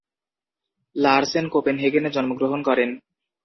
Larsen কোপেনহেগেনে জন্মগ্রহণ করেন।